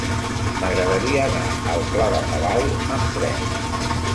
M'agradaria anar al pla de Palau amb tren.